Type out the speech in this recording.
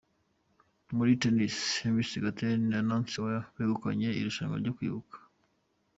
Muri Tennis, Hamiss Gatete na Nancy Onya begukanye irushanwa ryo kwibuka.